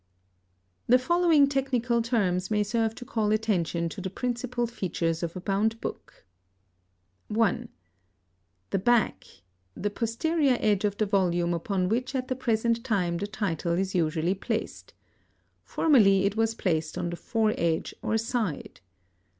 The following technical names may serve to call attention to the principal features of a bound book. (1) The back, the posterior edge of the volume upon which at the present time the title is usually placed. Formerly it was placed on the fore edge or side.